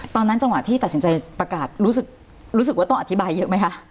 จังหวะที่ตัดสินใจประกาศรู้สึกว่าต้องอธิบายเยอะไหมคะ